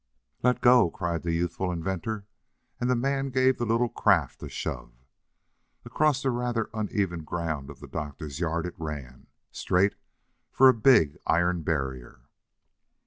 "Let go!" cried the youthful inventor, and the man gave the little craft a shove. Across the rather uneven ground of the doctor's yard it ran, straight for a big iron barrier.